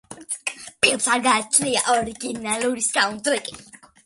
ფილმს არ გააჩნია ორიგინალური საუნდტრეკი.